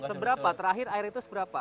seberapa terakhir air itu seberapa